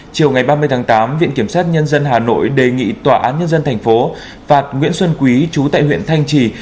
chiều ngày ba mươi tháng tám viện kiểm sát nhân dân hà nội đề nghị tòa án nhân dân tp phạt nguyễn xuân quý chú tại huyện thanh trì